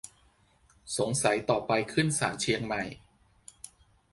สงสัยต่อไปขึ้นศาลเชียงใหม่